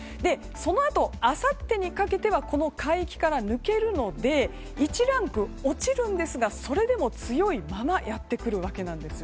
そのあと、あさってにかけてはこの海域から抜けるので１ランク落ちるのでそれでも強いままやってくるわけなんです。